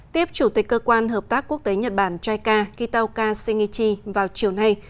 tiếp chủ tịch cơ quan hợp tác quốc tế nhật bản jica kitauka shinichi vào chiều nay